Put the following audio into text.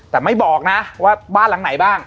แต่ไม่บอกนะว่าบ้านหลังไหนบ้าง